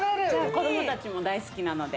子どもたちも大好きなので。